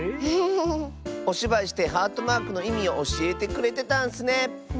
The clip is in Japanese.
おしばいしてハートマークのいみをおしえてくれてたんスね。